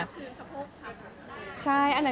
คือกระโพกชาร์จแบบหน้า